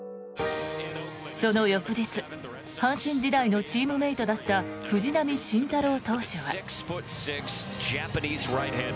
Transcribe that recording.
その翌日阪神時代のチームメートだった藤浪晋太郎投手は。